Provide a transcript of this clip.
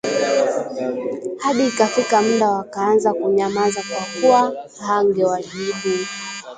hadi ikafika muda wakaanza kunyamaza kwa kuwa hangewajibu